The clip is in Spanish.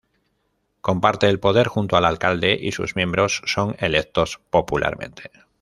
Comparte el poder junto al Alcalde y sus miembros son electos popularmente.